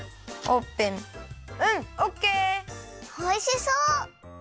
おいしそう！